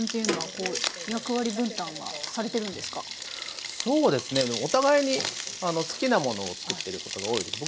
そうですねお互いに好きなものを作ってることが多いです。